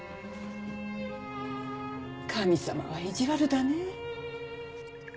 神様は意地悪だね。